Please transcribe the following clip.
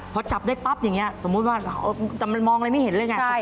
เพราะจับได้ปั๊บอย่างนี้สมมุติว่ามันมองแล้วไม่เห็นอะไรอย่างนี้